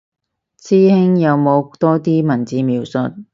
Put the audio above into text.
師兄有冇多啲文字描述